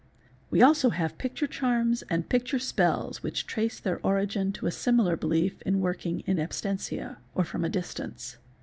We have also picture charms and picture spells which trace their origin to a similar belief in working in absentid, or from a distance.